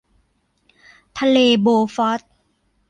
ทะเลโบฟอร์ต